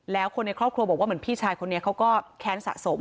แล้วคนในครอบครัวบอกว่าเหมือนพี่ชายคนนี้เขาก็แค้นสะสม